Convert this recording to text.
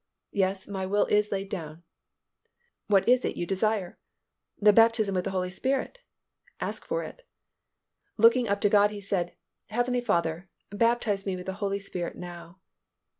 Yes, my will is laid down." "What is it you desire?" "The baptism with the Holy Spirit." "Ask for it." Looking up to God he said, "Heavenly Father, baptize me with the Holy Spirit now."